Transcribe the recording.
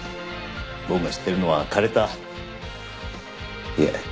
僕が知ってるのは枯れたいえ